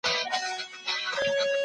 بې هدفه جګړې هېڅکله بریا نه راوړي.